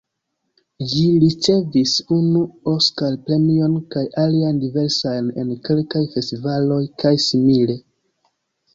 Ĝi ricevis unu Oskar-premion kaj aliajn diversajn en kelkaj festivaloj kaj simile.